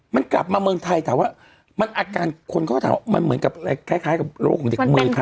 มันกลับมาเมืองไทยแต่ว่ามันอาการคนก็ถามว่าเกมีอะไรคล้ายกับโรคของเด็กมือครับ